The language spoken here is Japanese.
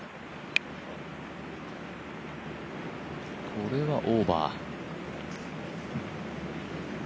これはオーバー。